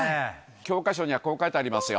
教科書には、こう書いてありますよ。